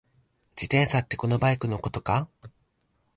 自転車ってこのバイクのことか？